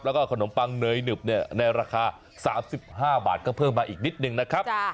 แล้วก็ขนมปังเนยหนึบในราคา๓๕บาทก็เพิ่มมาอีกนิดนึงนะครับ